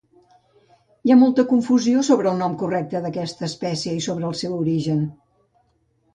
Hi ha molta confusió sobre el nom correcte d'aquesta espècie i sobre el seu origen.